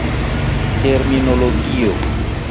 Terminologio.